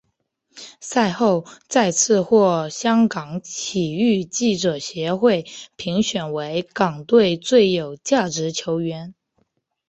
赛后再次获香港体育记者协会评选为港队最有价值球员。